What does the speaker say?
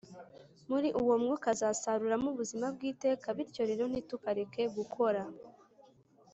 muri uwo mwuka azasaruramo ubuzima bw iteka Bityo rero ntitukareke gukora